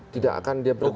tidak akan dia berkurang